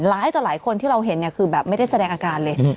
ต่อหลายคนที่เราเห็นเนี่ยคือแบบไม่ได้แสดงอาการเลย